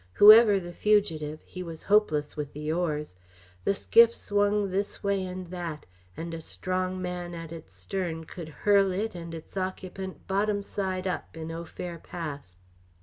Whoever the fugitive, he was hopeless with the oars. The skiff swung this way and that, and a strong man at its stern could hurl it and its occupant bottom side up in Au Fer Pass.